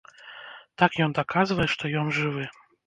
Так ён даказвае, што ён жывы.